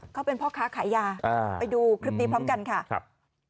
เขาเป็นพ่อค้าขายยาไปดูคลิปนี้พร้อมกันค่ะครับ